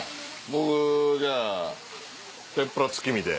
僕じゃあ天ぷら月見で。